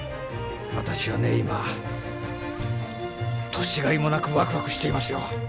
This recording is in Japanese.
私はね今年がいもなくワクワクしていますよ。